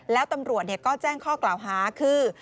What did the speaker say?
แล้วตำรวจก็แจ้งข้อกล่าวหาคือ